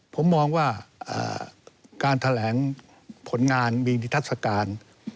ผมมองว่าการแถลงผลงานมีนิทัศกาล